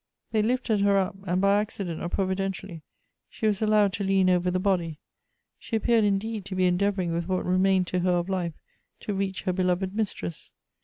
They lifted her up, and by acci dent or providentially she was allowed to lean over the body ; she appeared, indeed, to be endeavoring with what remained to her of life to reach her beloved mistress.